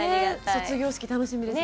卒業式楽しみですね。